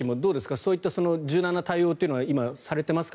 そういった柔軟な対応は今、されていますか？